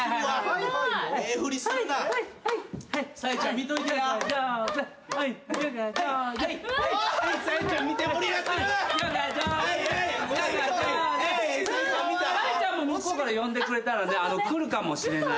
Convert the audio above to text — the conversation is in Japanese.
紗絵ちゃんも向こうから呼んでくれたら来るかもしれないわ。